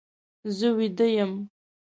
زه ویده یم.